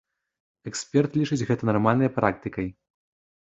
Эксперт лічыць гэта нармальнай практыкай.